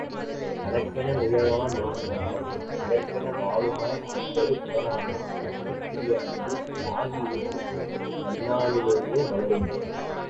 தனக்கென முயலா நோன்றாள் பிறர்க்கென வாழுநர் என்பது புறநானூறு, நட்புக்குரிய அன்பு, தியாக ஊற்றுக் கண்ணாலேயே வளரும்.